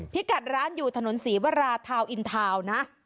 พี่กัดร้านอยู่ถนนศรีวราทาวน์อินทาวน์นะ